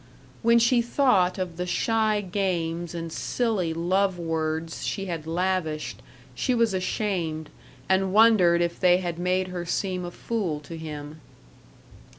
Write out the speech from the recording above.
When she thought of the shy games and silly love words she had lavished, she was ashamed, and wondered if they had made her seem a fool to him.